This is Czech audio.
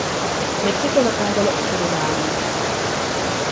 Mexiko zakázalo obchodování.